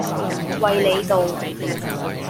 衛理道